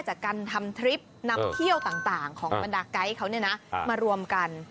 จากการทำทริปนำเที่ยวต่างของบรรดาไกด์เขามารวมกัน